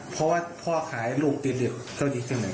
เพราะว่าพ่อขายลูกติดเด็ดเขาดีขึ้นไหม